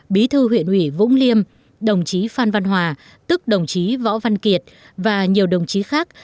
bí thư huyện ủy vũng liêm đồng chí phan văn hòa tức đồng chí võ văn kiệt và nhiều đồng chí khác